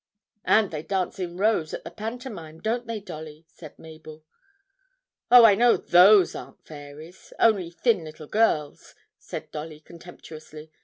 'And they dance in rows at the pantomime, don't they, Dolly?' said Mabel. 'Oh, I know those aren't fairies only thin little girls,' said Dolly contemptuously.